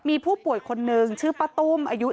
มีผู้ป่วยคนนึงชื่อป้าตุ้มอายุ